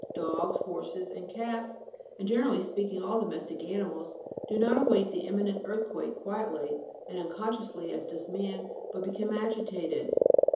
Dogs, horses, and cats, and generally speaking, all domestic animals, do not await the imminent earthquake quietly and unconsciously, as does man, but become agitated.